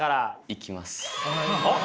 いきます。